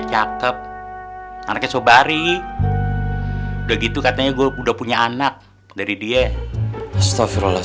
cakep anaknya sobari udah gitu katanya gue udah punya anak dari dia soft rolless